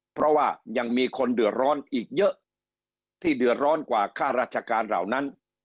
เพราะว่ายังมีคนเดือดร้อนอีกเยอะที่เดือดร้อนกว่าค่าราชการเหล่านั้น